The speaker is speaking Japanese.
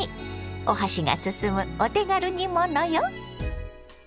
お箸が進むお手軽煮物よ。